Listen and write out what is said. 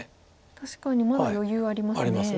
確かにまだ余裕ありますね。あります。